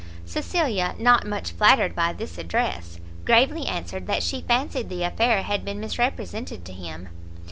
Cecilia, not much flattered by this address, gravely answered that she fancied the affair had been misrepresented to him.